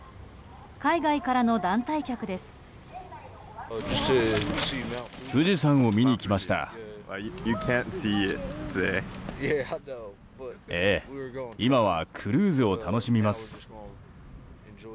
海外からの団体客です。